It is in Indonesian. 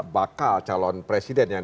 bakal calon presiden yang